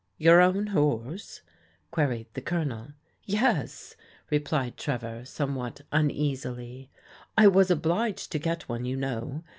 " Your own horse ?" queried the Colonel. " Yes," replied Trevor somewhat uneasily. " I was obliged to get one, you know.